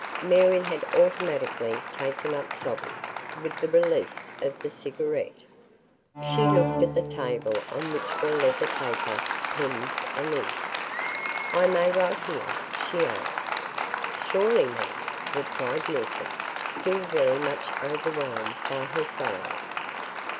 Mary had automatically taken up sobbing, with the release of the cigarette. She looked at the table on which were letter paper, pens and ink. "I may write here?" she asked. "Surely, ma'am," replied Milton, still very much overwhelmed by her sorrow.